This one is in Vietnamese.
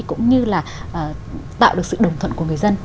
cũng như là tạo được sự đồng thuận của người dân